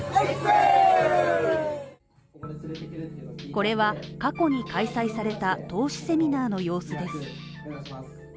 これは過去に開催された投資セミナーの様子です